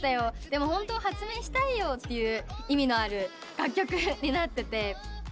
でもホントは発明したいよって意味のある楽曲になってて。